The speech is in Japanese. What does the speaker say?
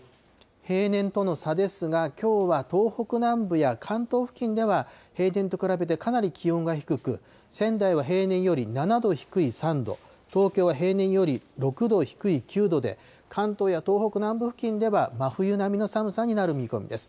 平年との差ですが、きょうは東北南部や関東付近では、平年と比べてかなり気温が低く、仙台は平年より７度低い３度、東京は平年より６度低い９度で、関東や東北南部付近では、真冬並みの寒さになる見込みです。